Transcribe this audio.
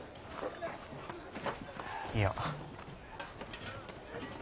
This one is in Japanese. いや。